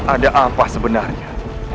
ada apa sebenarnya